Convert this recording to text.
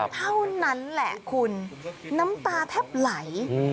เท่านั้นแหละคุณน้ำตาแทบไหล